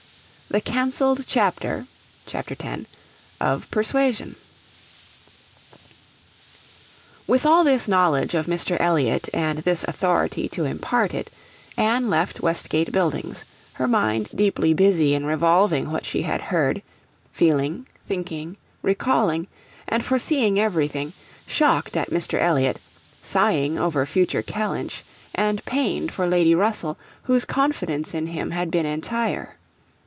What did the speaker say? The Cancelled Chapter (Chap. X.) of 'Persuasion.' With all this knowledge of Mr. Elliot and this authority to impart it, Anne left Westgate Buildings, her mind deeply busy in revolving what she had heard, feeling, thinking, recalling, and foreseeing everything, shocked at Mr. Elliot, sighing over future Kellynch, and pained for Lady Russell, whose confidence in him had been entire.